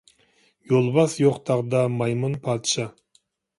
يولۋاس يوق تاغدا مايمۇن پادىشاھ.